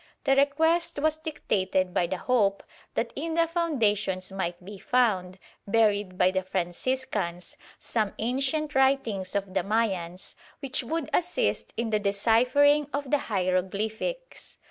The request was dictated by the hope that in the foundations might be found, buried by the Franciscans, some ancient writings of the Mayans which would assist in the deciphering of the hieroglyphics.